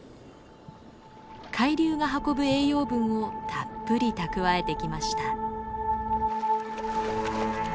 海流が運ぶ栄養分をたっぷり蓄えてきました。